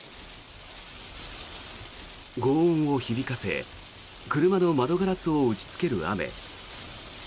ごう音を響かせ車の窓ガラスを打ちつける雨。